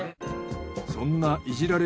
そんないじられ